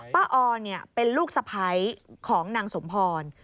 ป้าออเป็นลูกสะพัยของนางสมพร